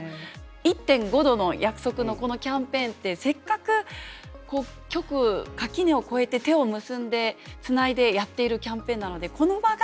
「１．５℃の約束」のこのキャンペーンってせっかく局垣根を越えて手を結んでつないでやっているキャンペーンなのでこの場が